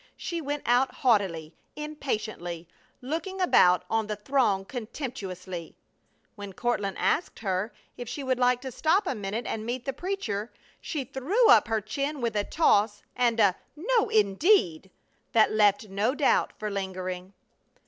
She went out haughtily, impatiently, looking about on the throng contemptuously. When Courtland asked her if she would like to stop a minute and meet the preacher she threw up her chin with a toss and a "No, indeed!" that left no doubt for lingering.